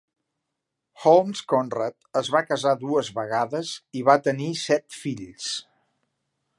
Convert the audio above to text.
Holmes Conrad es va casar dues vegades i va tenir set fills.